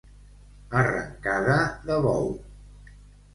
Arrencada de bou.